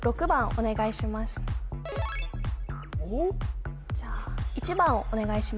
お願いしますおっ？